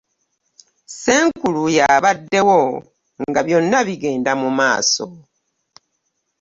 Ssenkulu yabaddewo nga byonna bigenda mu maaso.